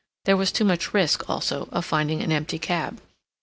There was too much risk, also, of finding an empty cab.